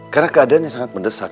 karena keadaannya sangat mendesak